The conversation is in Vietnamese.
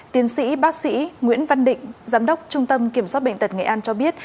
tiến sĩ bác sĩ nguyễn văn định giám đốc trung tâm kiểm soát bệnh tật nghệ an cho biết